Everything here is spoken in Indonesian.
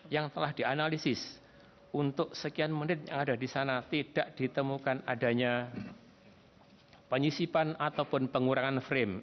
yang telah dianalisis untuk sekian menit yang ada di sana tidak ditemukan adanya penyisipan ataupun pengurangan frame